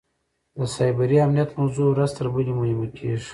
د سایبري امنیت موضوع ورځ تر بلې مهمه کېږي.